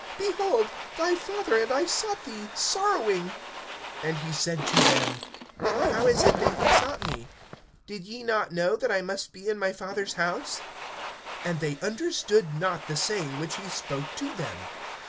Behold, thy father and I sought thee, sorrowing. (49)And he said to them: How is it that ye sought me? Did ye not know, that I must be in my Father's house[2:49]? (50)And they understood not the saying which he spoke to them.